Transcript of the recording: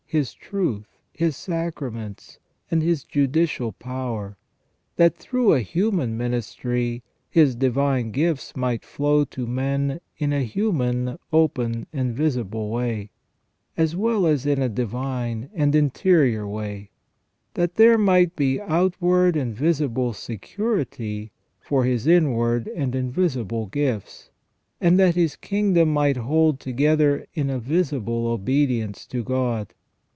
His truth, His sacraments, and His judicial power, that through a human ministry His divine gifts might flow to men in a human open and visible way, as well as in a divine and interior way ; that there might be outward and visible security for His inward and invisible gifts, and that His kingdom might hold together in a visible obedience to God.